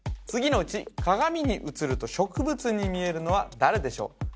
次のうち鏡に映ると植物に見えるのは誰でしょう？